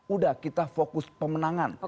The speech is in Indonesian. udah kita fokus pemenangan